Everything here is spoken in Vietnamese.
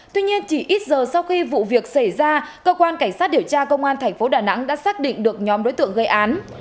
tuy nhiên chỉ ít giờ sau khi vụ việc xảy ra cơ quan cảnh sát điều tra công an thành phố đà nẵng đã xác định được nhóm đối tượng gây án